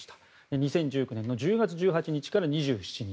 ２０１９年１０月１８日から２７日。